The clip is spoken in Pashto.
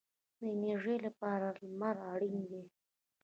د انرژۍ لپاره لمر اړین دی